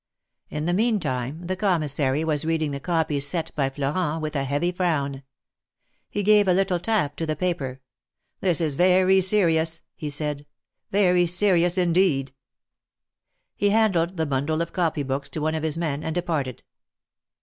In the meantime the Commissary was reading the copies set by Florent, with a heavy frown. He gave a little tap to the paper. This is very serious," he said, very serious, indeed 1 " He handed the bundle of copy books to one of his men and departed.